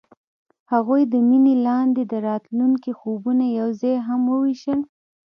هغوی د مینه لاندې د راتلونکي خوبونه یوځای هم وویشل.